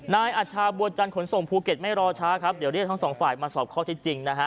นายอัชชาบัวจันทนส่งภูเก็ตไม่รอช้าครับเดี๋ยวเรียกทั้งสองฝ่ายมาสอบข้อที่จริงนะฮะ